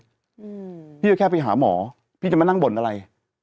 อืมพี่ก็แค่ไปหาหมอพี่จะมานั่งบ่นอะไร